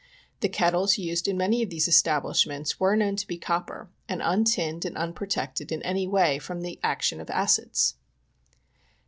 The kettles used in many of these establishments were known to be copper, and untinned and unprotected in any way from the action of acids.